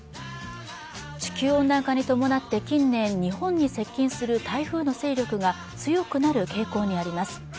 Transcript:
地球温暖化に伴って近年日本に接近する台風の勢力が強くなる傾向にあります